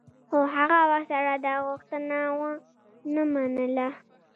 خو هغه ورسره دا غوښتنه و نه منله.